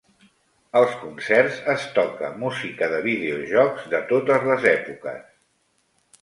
Als concerts es toca música de videojocs de totes les èpoques.